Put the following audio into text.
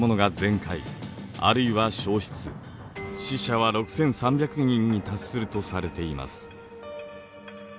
死者は６，３００人に達するとされています。